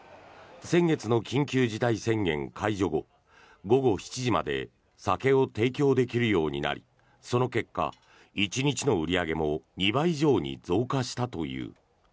先月の緊急事態宣言解除後午後７時まで酒を提供できるようになりその結果、１日の売り上げも２倍以上に増加したという。